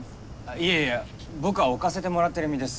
いやいや僕は置かせてもらってる身です。